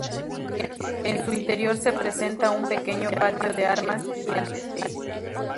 En su interior se presenta un pequeño patio de armas y el aljibe.